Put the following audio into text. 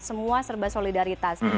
semua serba solidaritas